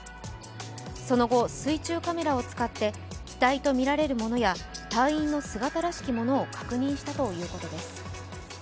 その後、水中カメラを使って機体とみられるものや隊員の姿らしきものを確認したということです。